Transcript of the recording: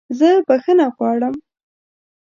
زه بخښنه غواړم!